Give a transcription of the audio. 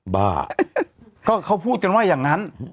บ้าก็เขาพูดกันว่าอย่างนั้น